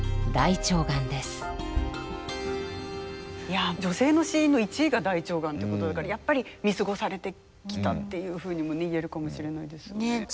いや女性の死因の１位が大腸がんということだからやっぱり見過ごされてきたっていうふうにも言えるかもしれないですね。